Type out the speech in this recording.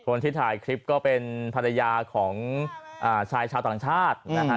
คนที่ถ่ายคลิปก็เป็นภรรยาของชายชาวต่างชาตินะฮะ